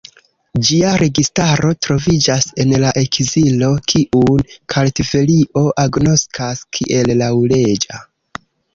Ĝia registaro troviĝas en la ekzilo kiun Kartvelio agnoskas kiel laŭleĝa.